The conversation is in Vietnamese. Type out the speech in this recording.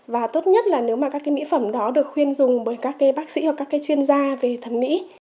và tốt nhất là nếu mà các cái mỹ phẩm đó được khuyên dùng bởi các cái bác sĩ hoặc các cái chuyên gia về thẩm mỹ